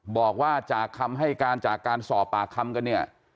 บอกว่าจากคำให้การจากการสอบปากคำกันเนี่ย